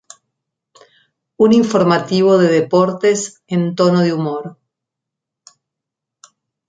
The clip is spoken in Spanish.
Un informativo de deportes en tono de humor.